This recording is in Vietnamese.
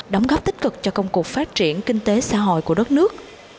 đóng góp tích cực cho công cuộc phát triển kinh tế xã hội của đất nước